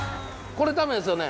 これダメですよね？